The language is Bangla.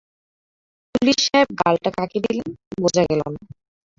পুলিশ সাহেব গালটা কাকে দিলেন, বোঝা গেল না।